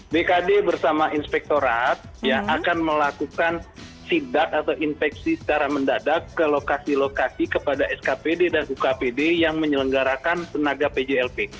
bkd bersama inspektorat akan melakukan sidak atau infeksi secara mendadak ke lokasi lokasi kepada skpd dan ukpd yang menyelenggarakan tenaga pjlp